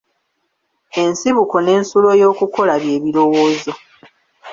Ensibuko n'ensulo y'okukola bye birowoozo.